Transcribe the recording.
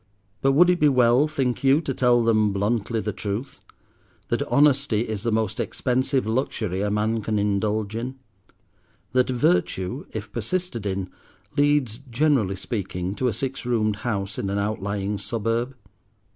But would it be well, think you, to tell them bluntly the truth—that honesty is the most expensive luxury a man can indulge in; that virtue, if persisted in, leads, generally speaking, to a six roomed house in an outlying suburb?